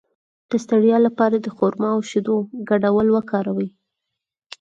د ستړیا لپاره د خرما او شیدو ګډول وکاروئ